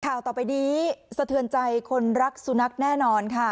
ข่าวต่อไปนี้สะเทือนใจคนรักสุนัขแน่นอนค่ะ